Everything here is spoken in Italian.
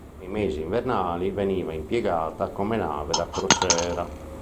Nei mesi invernali veniva impiegata come nave da crociera.